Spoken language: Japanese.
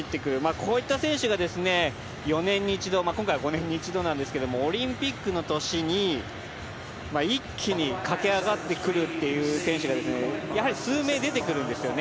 こういった選手が４年に一度、今回は５年に一度ですけれどオリンピックの年に一気に駆け上がってくるっていう選手がやはり数名、出てくるんですよね。